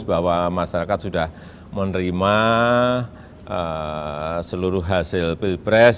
bahwa masyarakat sudah menerima seluruh hasil pilpres